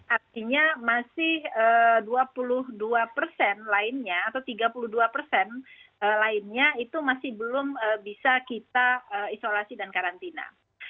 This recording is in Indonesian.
artinya masih dua puluh dua persen lainnya atau tiga puluh dua persen lainnya itu masih belum bisa kita isolasi dan karantina